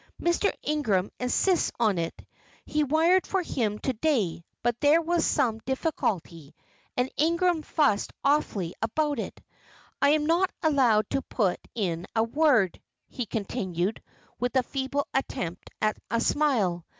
"Mr. Ingram insists on it. He wired for him to day, but there was some difficulty, and Ingram fussed awfully about it. I am not allowed to put in a word," he continued, with a feeble attempt at a smile.